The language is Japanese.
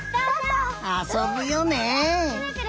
あそぶよね！